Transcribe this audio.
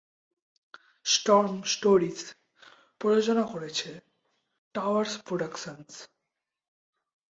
Sturm Stories প্রযোজনা করেছে Towers productions.